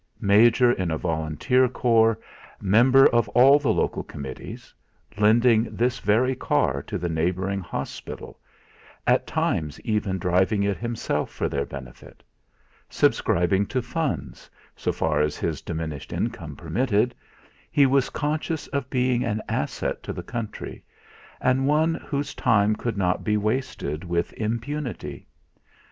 Major in a Volunteer Corps; member of all the local committees; lending this very car to the neighbouring hospital, at times even driving it himself for their benefit; subscribing to funds, so far as his diminished income permitted he was conscious of being an asset to the country, and one whose time could not be wasted with impunity.